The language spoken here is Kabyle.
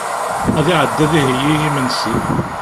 Ad iɛeddi ad iheyyi imensi.